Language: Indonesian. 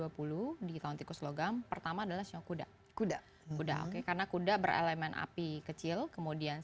tahun dua ribu dua puluh di tahun tikus logam pertama adalah sio kuda karena kuda berelemen api kecil kemudian